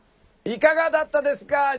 いかがだったですか？